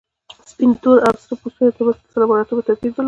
سپین، تور او سره پوستو تر منځ سلسله مراتبو توپیر درلود.